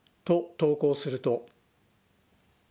と、投稿すると。